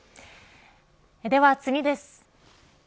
では次です。